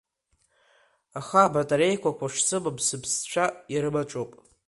Аха абатареикақәа шсымам сыԥсцәа ирымаҿоуп.